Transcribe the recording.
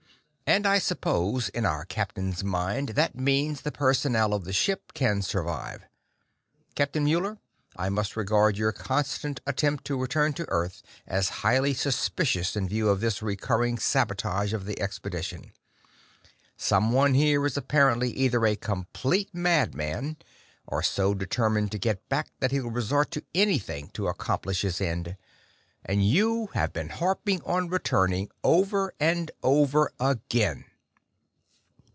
"And I suppose, in our captain's mind, that means the personnel of the ship can survive. Captain Muller, I must regard your constant attempt to return to Earth as highly suspicious in view of this recurrent sabotage of the expedition. Someone here is apparently either a complete madman or so determined to get back that he'll resort to anything to accomplish his end. And you have been harping on returning over and over again!"